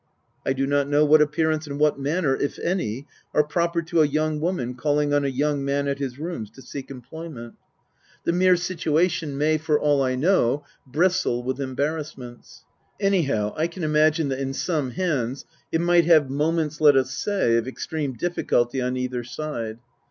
I do not know what appearance and what manner, if any, are proper to a young woman calling on a young man at his rooms to seek employment. The mere situa Book I : My Book 11 tion may, for all I know, bristle with embarrassments. Anyhow, I can imagine that in some hands it might have moments, let us say, of extreme difficulty on either side.